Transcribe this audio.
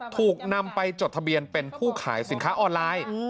ถูกนำไปจดทะเบียนเป็นผู้ขายสินค้าออนไลน์